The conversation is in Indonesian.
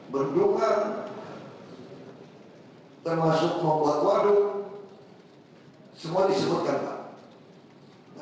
berdukan termasuk pompa warung semua disebutkan pak